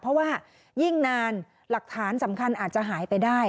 เพราะว่ายิ่งนานหลักฐานสำคัญอาจจะหายไปได้